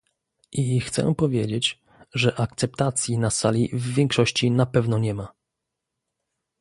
I chcę powiedzieć, że akceptacji na sali w większości na pewno nie ma